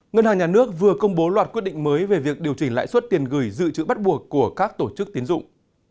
ngân hàng nhà nước vừa công bố loạt quyết định mới về việc điều chỉnh lãi suất tiền gửi dự trữ bắt buộc của các tổ chức tiến dụng